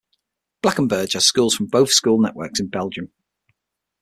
Blankenberge has schools from both school networks in Belgium.